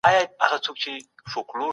منظور پښتین وايي